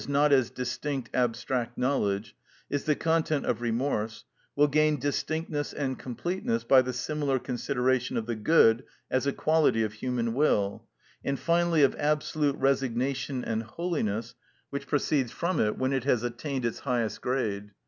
_, not as distinct, abstract knowledge, is the content of remorse, will gain distinctness and completeness by the similar consideration of the good as a quality of human will, and finally of absolute resignation and holiness, which proceeds from it when it has attained its highest grade.